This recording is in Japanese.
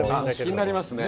気になりますね。